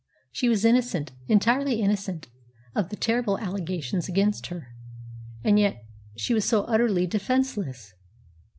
She was innocent, entirely innocent, of the terrible allegations against her, and yet she was so utterly defenceless!